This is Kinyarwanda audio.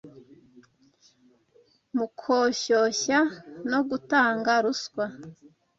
mu koshoshya no gutanga ruswa